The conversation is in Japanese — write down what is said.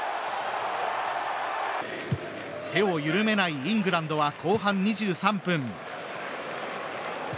手を緩めないイングランドは後半２３分。